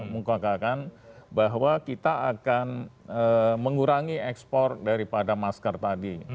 mengukakan bahwa kita akan mengurangi ekspor daripada masker tadi